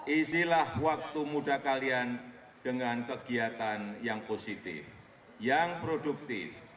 isilah waktu muda kalian dengan kegiatan yang positif yang produktif